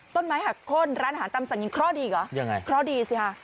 ต้นไม้หักโค้นร้านอาหารตามสั่งยิ่งเคราะดีเหรอเคราะดีสิฮะ